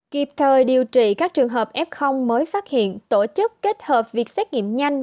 kịp thời điều trị các trường hợp f mới phát hiện tổ chức kết hợp việc xét nghiệm nhanh